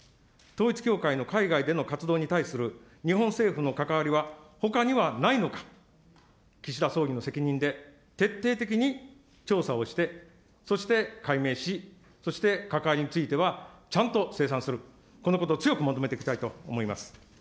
統一教会の海外での活動に対する日本政府の関わりはほかにはないのか、岸田総理の責任で徹底的に調査をして、そして、解明し、そして関わりについてはちゃんと清算する、このことを強く求めていきたいと思います。